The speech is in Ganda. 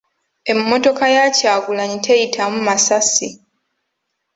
Emmotoka ya Kagulanyi teyitamu masasi.